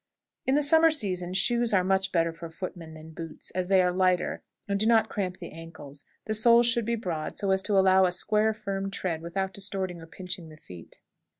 In the summer season shoes are much better for footmen than boots, as they are lighter, and do not cramp the ankles; the soles should be broad, so as to allow a square, firm tread, without distorting or pinching the feet.